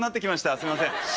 すいません。